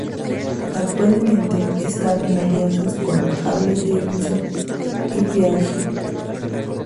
Actualmente están en alianzas con Harley Davidson y Piaggio.